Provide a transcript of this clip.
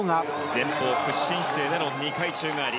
前方屈身姿勢からの２回宙返り。